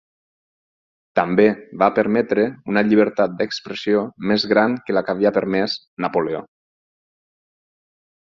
També va permetre una llibertat d'expressió més gran que la que havia permès Napoleó.